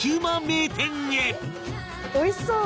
おいしそう！